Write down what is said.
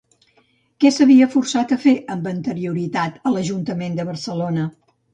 Què s'havia forçat a fer, amb anterioritat, a l'Ajuntament de Barcelona?